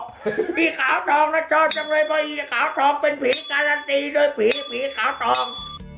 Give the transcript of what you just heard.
ไอ้ขาวทองจะชอบจังเลยเพราะไอ้ขาวทองเป็นผีการันตีโดยผีผีขาวทอง